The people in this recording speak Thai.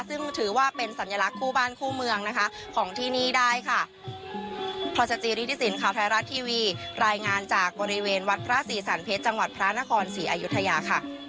ซึ่งถือว่าเป็นสัญลักษณ์คู่บ้านคู่เมืองนะคะของที่นี้ได้ค่ะ